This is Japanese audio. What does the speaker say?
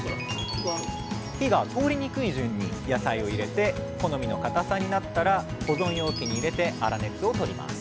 火が通りにくい順に野菜を入れて好みの硬さになったら保存容器に入れて粗熱をとります